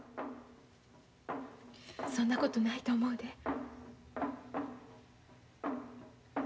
そんなことないと思うで。